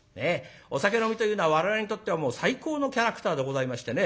お酒飲みというのは我々にとってはもう最高のキャラクターでございましてね